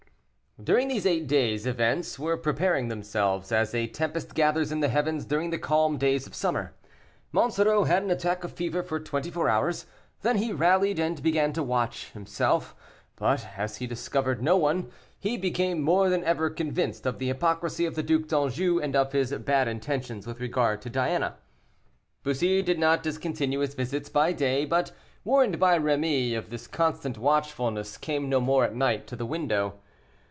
During these eight days events were preparing themselves, as a tempest gathers in the heavens during the calm days of summer. Monsoreau had an attack of fever for twenty four hours, then he rallied, and began to watch, himself; but as he discovered no one, he became more than ever convinced of the hypocrisy of the Duc d'Anjou, and of his bad intentions with regard to Diana. Bussy did not discontinue his visits by day, but, warned by Rémy of this constant watchfulness, came no more at night to the window.